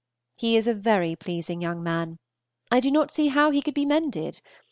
He is a very pleasing young man. I do not see how he could be mended.